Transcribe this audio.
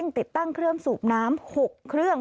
ต้องเร่งติดตั้งเครื่องสูบน้ำ๖เครื่อง